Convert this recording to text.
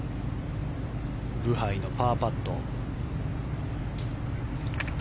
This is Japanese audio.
ブハイのパーパット。